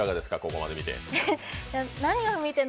ここまで見て。